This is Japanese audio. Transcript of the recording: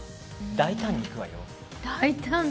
大胆にいくわよ。